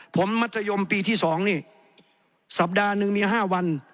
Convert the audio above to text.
ผมมัธยมปีที่๒นี่สัปดาห์หนึ่งมี๕วัน